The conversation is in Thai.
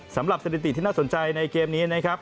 สถิติที่น่าสนใจในเกมนี้นะครับ